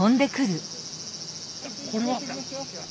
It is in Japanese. これは？